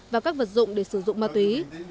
và các vật dụng để sử dụng ma túy